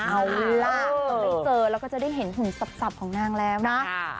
เอาล่ะต้องได้เจอแล้วก็จะได้เห็นหุ่นสับของนางแล้วนะ